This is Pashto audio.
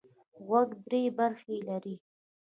غوږ درې برخې لري.